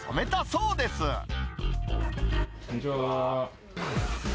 こんにちは。